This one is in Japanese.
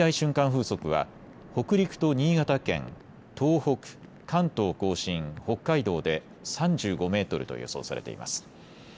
風速は北陸と新潟県、東北、関東甲信、北海道で３５メートルと予想されています。